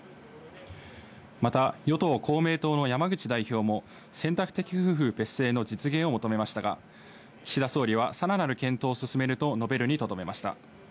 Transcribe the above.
また、与党・公明党の山口代表も、選択的夫婦別姓の実現を求めましたが、岸田総理はさらなる検討を進めると述べるにとどめました。